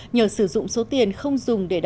nhờ sử dụng số tiền không dùng để đánh giá